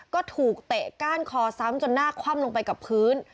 ก็ถูกเตะก้านคอซ้ำจนหน้าคว่ำลงไปกับพื้น